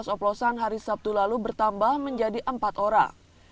pas oplosan hari sabtu lalu bertambah menjadi empat orang